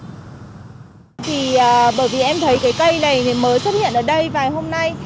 thì bởi vì em thấy cái cây này thì mới xuất hiện ở đây vài hôm nay